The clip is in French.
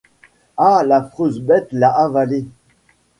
Ah! l’affreuse bête l’a avalé !...